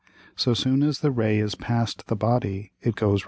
So soon as the Ray is past the Body, it goes right on.